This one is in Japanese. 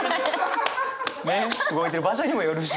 動いてる場所にもよるし。